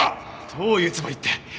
どういうつもりって。